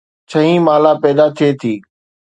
ڇهين مالا پيدا ٿئي ٿي